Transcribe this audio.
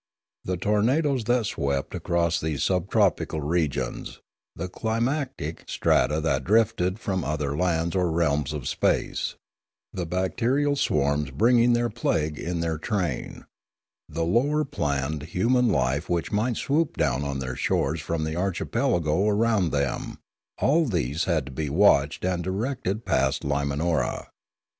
The tornadoes that swept across these subtropical regions, the climatic strata that drifted from other lands or realms of space, the bacterial swarms bringing plague in their train, the lower planed human life which might swoop down on their shores from the archipelago around them, — all these had to be watched and directed past Limanora.